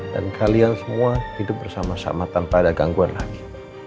dan kalian semua hidup bersama sama tanpa ada gangguan lagi